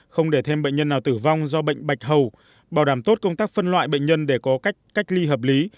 không để thêm bệnh nhân nào tử vong do bệnh bạch hầu bảo đảm tốt công tác phân loại bệnh nhân để có cách ly hợp lý